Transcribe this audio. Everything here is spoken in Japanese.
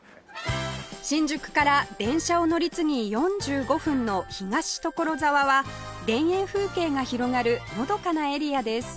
新宿から電車を乗り継ぎ４５分の東所沢は田園風景が広がるのどかなエリアです